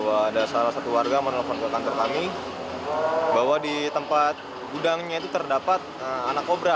ada salah satu warga menelpon ke kantor kami bahwa di tempat gudangnya itu terdapat anak kobra